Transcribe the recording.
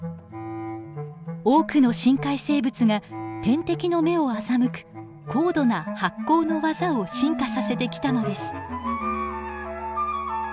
多くの深海生物が天敵の目を欺く高度な発光の技を進化させてきたのです。